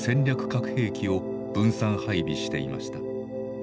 核兵器を分散配備していました。